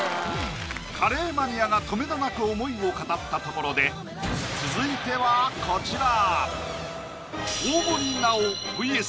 カレーマニアがとめどなく思いを語ったところで続いてはこちら！